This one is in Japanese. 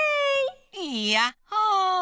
いやっほ！